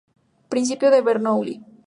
Principio de Bernoulli